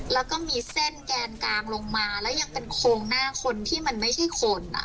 แล้วก็มีเส้นแกนกลางลงมาแล้วยังเป็นโครงหน้าคนที่มันไม่ใช่คน